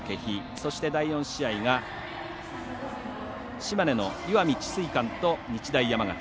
そして、第４試合が島根の石見智翠館と日大山形。